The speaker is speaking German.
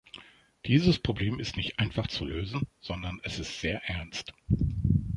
Dieses Problem ist nicht einfach zu lösen, sondern es ist sehr ernst.